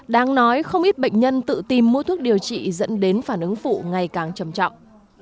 đáng nói không ít bệnh nhân tự tìm mua thuốc điều trị dẫn đến phản ứng phụ ngày càng trầm trọng